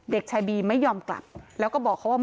เด็กชายบีไม่ยอมกลับแล้วก็บอกเขาว่า